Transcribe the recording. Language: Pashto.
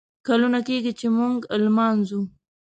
کلونه کیږي ، چې موږه لمانځو